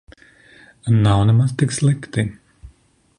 Nav nemaz tik slikti.